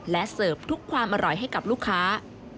และเสิร์ฟทุกความอร่อยให้กับลูกค้า